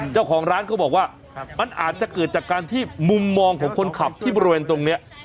เจ้าของร้านเขาบอกว่ามันอาจจะเกิดจากการที่มุมมองของคนขับที่บริเวณตรงนี้